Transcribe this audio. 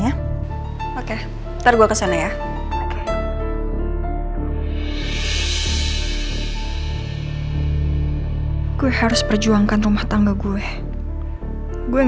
aku benar benar takut